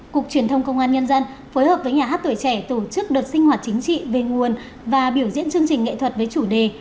cục truyền thông công an nhân dân phối hợp với nhà hát tuổi trẻ tổ chức đợt sinh hoạt chính trị về nguồn và biểu diễn chương trình nghệ thuật với chủ đề